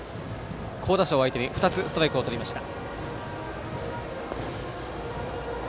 好打者を相手に２つストライクをとりました。